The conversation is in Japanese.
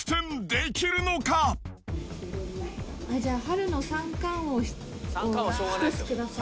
じゃあ、春の三貫王１つください。